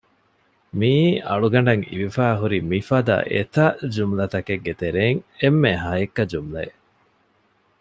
މިއީ އަޅުގަނޑަށް އިވިފައި ހުރި މި ފަދަ އެތައް ޖުމުލަތަކެއްގެ ތެރެއިން އެންމެ ހައެއްކަ ޖުމުލައެއް